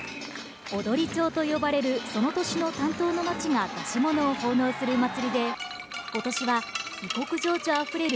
踊町と呼ばれるその年の担当の町がだし物を奉納する祭りで、ことしは異国情緒あふれる